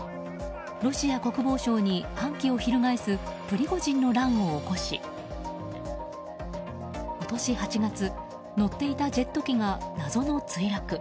ロシア国防省に反旗を翻すプリゴジンの乱を起こし今年８月乗っていたジェット機が謎の墜落。